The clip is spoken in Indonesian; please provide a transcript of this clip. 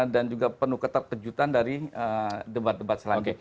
dan juga penuh ketar kejutan dari debat debat selanjutnya